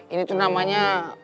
ini tuh namanya